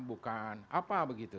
bukan apa begitu